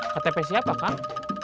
ktp siapa kang